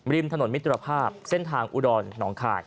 ริมถนนมิตรภาพเส้นทางอุดรหนองคาย